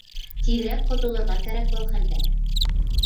Тиҙерәк ҡотолорға кәрәк был хәлдән!